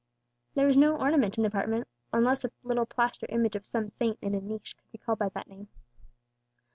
There was no ornament in the apartment, unless a little plaster image of some saint in a niche could be called by that name.